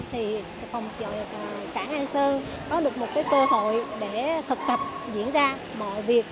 thì phòng chợ cảng an sơn có được một cơ hội để thực tập diễn ra mọi việc